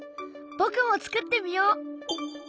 僕も作ってみよう！